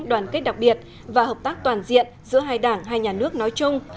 đoàn kết đặc biệt và hợp tác toàn diện giữa hai đảng hai nhà nước nói chung